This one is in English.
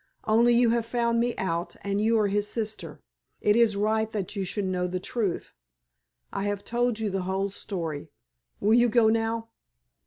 Only you have found me out, and you are his sister. It is right that you should know the truth. I have told you the whole story. Will you go now?"